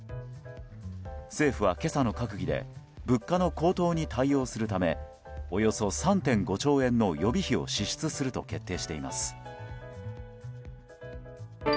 政府は今朝の閣議で物価の高騰に対応するためおよそ３．５兆円の予備費を支出すると決定しています。